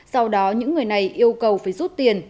sau đó những người này yêu cầu phải rút tiền